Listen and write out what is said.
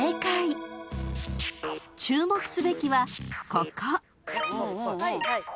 ［注目すべきはここ］